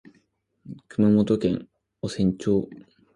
熊本県御船町